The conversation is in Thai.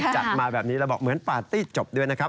จัดมาแบบนี้แล้วบอกเหมือนปาร์ตี้จบด้วยนะครับ